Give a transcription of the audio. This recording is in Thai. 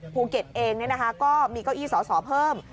ภูเก็ตเองเนี่ยนะคะก็มีเก้าอี้สอเพิ่ม